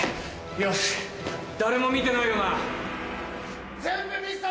よし誰も見てないよな。